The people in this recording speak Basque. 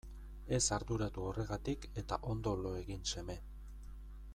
Ez arduratu horregatik eta ondo lo egin seme.